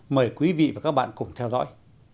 mời quý vị và các bạn cùng theo dõi